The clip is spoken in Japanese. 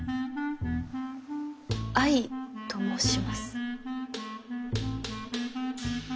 愛と申します。